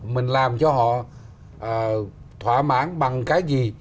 mình làm cho họ thỏa mãn bằng cái gì